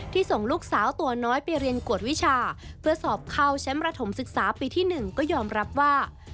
ส่งลูกสาวตัวน้อยไปเรียนกวดวิชาเพื่อสอบเข้าแชมป์ระถมศึกษาปีที่๑ก็ยอมรับว่า